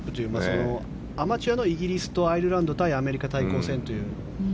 アマチュアのイギリスとアイルランド対アメリカの対抗戦という。